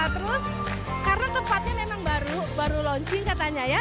terus karena tempatnya memang baru baru launching katanya ya